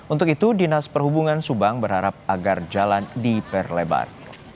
untuk itu dinas perhubungan subang berharap agar jalan diperlebar